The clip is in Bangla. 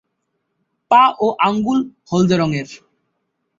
পা ও আঙুল হলদে রঙের।